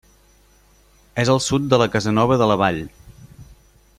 És al sud de la Casanova de la Vall.